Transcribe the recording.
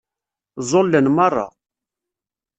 Ẓẓulen meṛṛa.